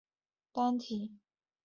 甲基丙烯酸甲酯的单体。